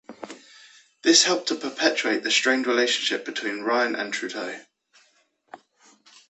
This helped to perpetuate the strained relationship between Ryan and Trudeau.